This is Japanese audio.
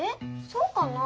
そうかな。